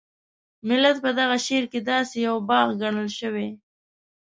ملت په دغه شعر کې داسې یو باغ ګڼل شوی.